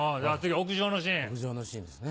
屋上のシーンですね。